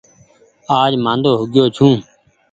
آج مآندو هوگيو ڇون ۔